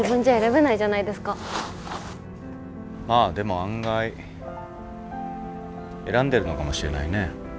まあでも案外選んでるのかもしれないね。